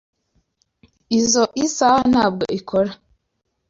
Izoi saha ntabwo ikora.